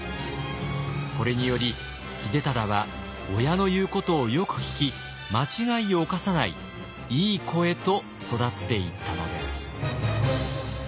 これにより秀忠は親の言うことをよく聞き間違いをおかさないいい子へと育っていったのです。